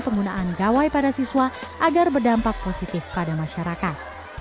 penggunaan gawai pada siswa agar berdampak positif pada masyarakat